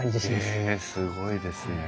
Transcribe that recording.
へえすごいですね。